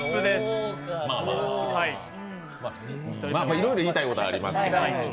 いろいろ言いたいことはありますけど。